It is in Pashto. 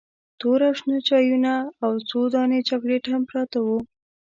تور او شنه چایونه او څو دانې چاکلیټ هم پراته وو.